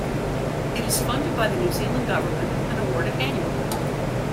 It is funded by the New Zealand government and awarded annually.